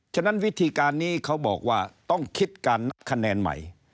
ฉะนั้นวิธีการนี้เขาบอกว่าต้องคิดการนับคะแนนใหม่